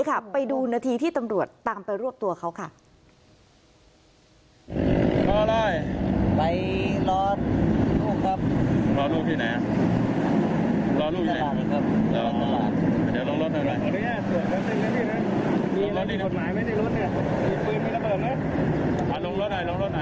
ไหนไม่ได้รถเนี้ยมีปืนมีระเบิดไหมอ่าลงรถไหนลงรถไหน